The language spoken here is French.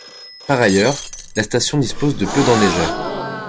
Par ailleurs, la station dispose de peu d'enneigeurs.